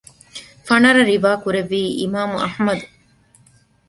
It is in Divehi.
ފަނަރަ ރިވާކުރެއްވީ އިމާމު އަޙްމަދު